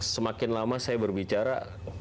semakin lama saya berbicara